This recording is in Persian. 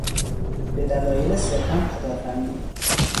به دلایل صرفا پدافندی